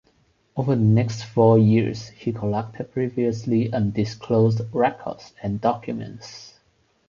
Over the next four years he collected previously undisclosed records and documents.